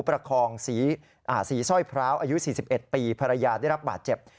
ประคองศรีสร้อยพร้าวอายุ๔๑ปีภรรยาได้รับบาดเจ็บ